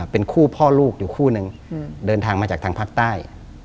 เป็นคู่พ่อลูกอยู่คู่นึงเดินทางมาจากทางภาคใต้